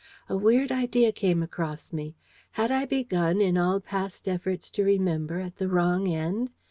A weird idea came across me. Had I begun, in all past efforts to remember, at the wrong end?